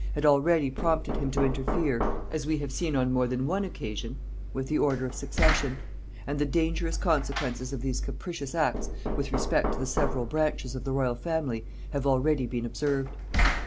had already prompted him to interfere, as we have seen, on more than one occasion, with the order of succession; and the dangerous consequences of these capricious acts with respect to the several branches of the royal family have already been observed.